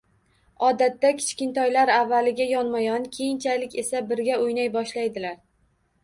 Odatda kichkintoylar avvaliga yonma-yon, keyinchalik esa birga o‘ynay boshlaydilar.